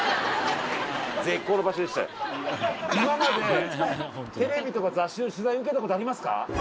今までテレビとか雑誌の取材受けた事ありますか？